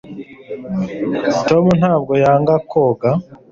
tom ntabwo yanga koga